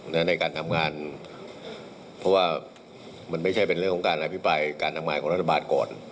ในการทำงานเพราะว่ามันไม่ใช่เป็นเรื่องของการอภิปรายการทำงานของรัฐบาลก่อน